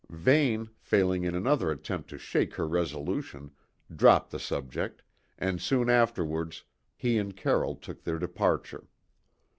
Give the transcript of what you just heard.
Vane, failing in another attempt to shake her resolution, dropped the subject, and soon afterwards he and Carroll took their departure.